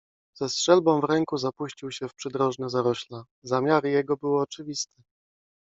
Ze strzelbą w ręku zapuścił się w przydrożne zarośla. Zamiary jego były oczywiste.